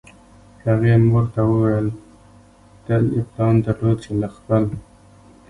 هغې موږ ته وویل تل یې پلان درلود چې له خپل